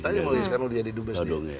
tadi muldi sekarang dia di dubes